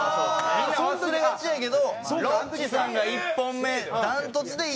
みんな忘れがちやけどロッチさんが１本目断トツで１位とって。